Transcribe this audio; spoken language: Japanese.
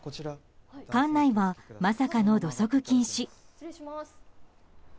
館内はまさかの土足禁止。